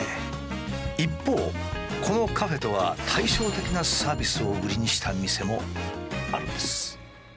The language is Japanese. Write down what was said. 一方このカフェとは対照的なサービスを売りにした店もあるんです。